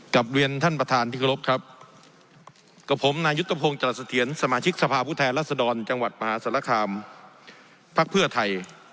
กับเรียนท่านประธานที่ครบครับกับผมนายุตภพงศ์จรสเตียนสมาชิกสภาพภูมิแทนลักษณะดอนจังหวัดมหาสรรคามภักดิ์เพื่อไทย